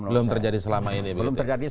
belum terjadi selama ini